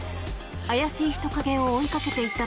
怪しい人影を追いかけていった